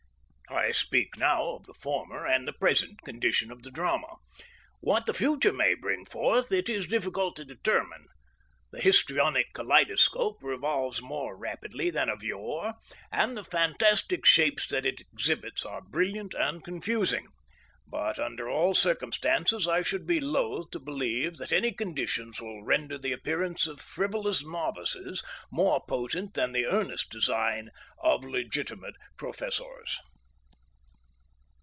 I speak now of the former and the present condition of the drama. What the future may bring forth it is difficult to determine. The histrionic kaleidoscope revolves more rapidly than of yore and the fantastic shapes that it exhibits are brilliant and confusing; but under all circumstances I should be loath to believe that any conditions will render the appearance of frivolous novices more potent than the earnest design of legitimate professors.